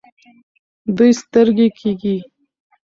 دوی سترګۍ کیږي.